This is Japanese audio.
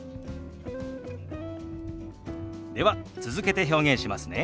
では続けて表現しますね。